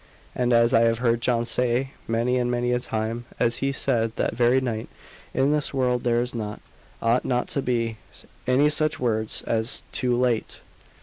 And as I have heard John say many and many a time as he said that very night in this world there is not, ought not to be, any such words as 'too late.'"